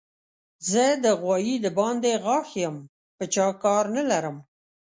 زه د غوايي د باندې غاښ يم؛ په چا کار نه لرم.